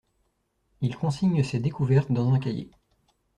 Il consigne ses découvertes dans un cahier.